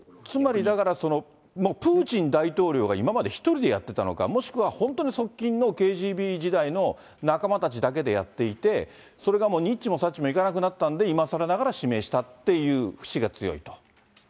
つまりだから、もうプーチン大統領が今まで１人でやってたのか、もしくは本当に側近のＫＧＢ時代の仲間たちだけでやっていて、それがもうにっちもさっちもいかなくなったんで、いまさらながら指名したっていうふしが強いと。